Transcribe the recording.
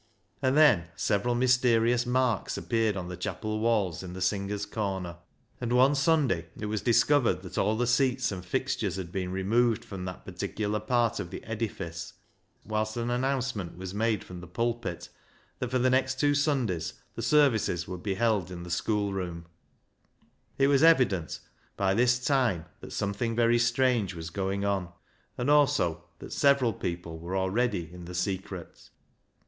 And then several mysterious marks appeared on the chapel walls in the singers' corner, and one Sunday it was discovered that all the seats and fixtures had been removed from that par ticular part of the edifice, whilst an announce ment was made from the pulpit that for the next two Sundays the services would be held in the schoolroom. 24 370 BECKSIDE LIGHTS It was evident by this time that something very strange was going on, and also that several people were already in the secret.